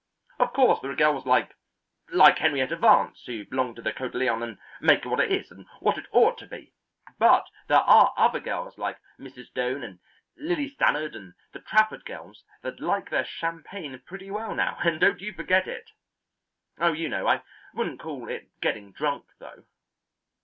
"Of course there are girls like like Henrietta Vance who belong to the Cotillon and make it what it is, and what it ought to be. But there are other girls like Mrs. Doane and Lilly Stannard and the Trafford girls that like their champagne pretty well now, and don't you forget it! Oh, you know, I wouldn't call it getting drunk, though."